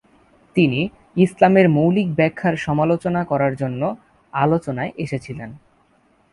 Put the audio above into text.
তিনি ইসলামের মৌলিক ব্যাখ্যার সমালোচনা করার জন্য আলোচনায় এসেছিলেন।